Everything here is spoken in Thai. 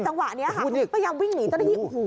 จังหวะนี้พยายามวิ่งหนีเจ้าหน้าที่